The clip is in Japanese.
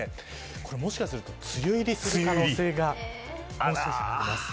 もしかすると梅雨入りする可能性があります。